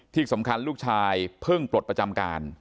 ที่สำคัญลูกชายเพิ่งปลดประจำการ